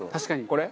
これ？